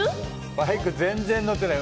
バイク全然乗ってない。